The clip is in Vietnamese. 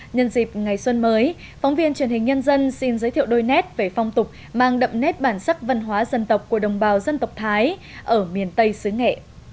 nhân dịp ngày xuân mới phóng viên truyền hình nhân dân xin giới thiệu đôi nét về phong tục mang đậm nét bản sắc văn hóa dân tộc của đồng bào dân tộc thái ở miền tây xứ nghệ